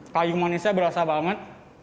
kayu manisnya berasa banget